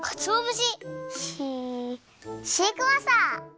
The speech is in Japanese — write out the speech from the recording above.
シシークワーサー！